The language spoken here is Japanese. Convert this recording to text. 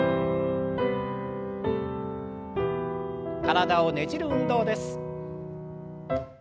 体をねじる運動です。